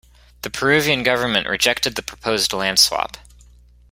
The Peruvian government rejected the proposed land swap.